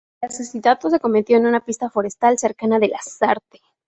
El asesinato se cometió en una pista forestal cercana a Lasarte.